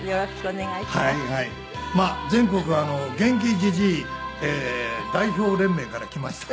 まあ全国元気じじい代表連盟から来ました。